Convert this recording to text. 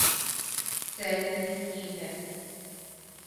سیر نہیں کی ہے